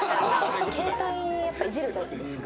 携帯いじるじゃないですか